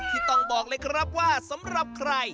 ที่ต้องบอกเลยครับว่าสำหรับใคร